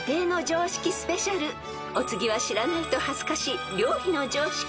［お次は知らないと恥ずかしい料理の常識］